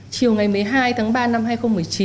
chiều ngày một mươi hai tháng ba năm hai nghìn một mươi chín